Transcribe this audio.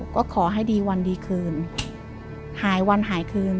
ก็ขอให้ดีวันดีคืนหายวันหายคืน